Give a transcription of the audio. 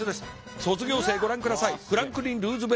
卒業生ご覧ください。